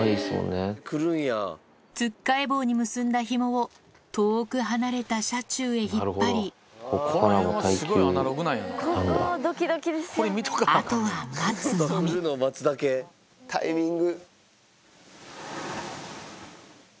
突っかい棒に結んだヒモを遠く離れた車中へ引っ張りあとは待つのみタイミング。